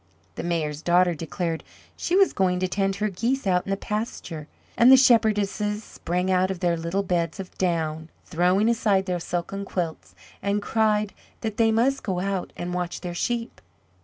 The Mayor's daughter declared she was going to tend her geese out in the pasture, and the shepherdesses sprang out of their little beds of down, throwing aside their silken quilts, and cried that they must go out and watch their sheep.